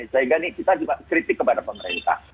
sehingga kita kritik kepada pemerintah